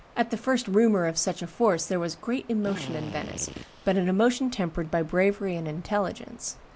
At the first rumor of such a force there was great emotion in Venice, but an emotion tempered by bravery and intelligence.